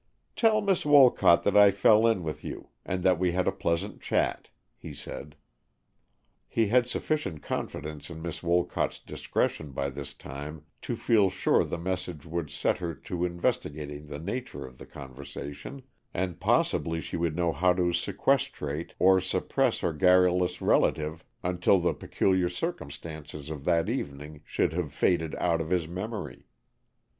"Tell Miss Wolcott that I fell in with you, and that we had a pleasant chat," he said. He had sufficient confidence in Miss Wolcott's discretion by this time to feel sure the message would set her to investigating the nature of the conversation, and possibly she would know how to sequestrate or suppress her garrulous relative until the peculiar circumstances of that evening should have faded out of his memory.